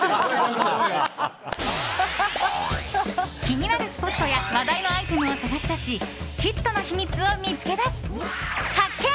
気になるスポットや話題のアイテムを探し出しヒットの秘密を見つけ出す発見！